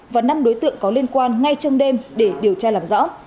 và năm đối tượng có liên quan ngay trong đêm để điều tra làm rõ